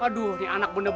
aduh aduh aduh